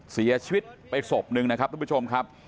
เสียชีวิตไปศพหนึ่งนะครับทุกผู้ชมครับ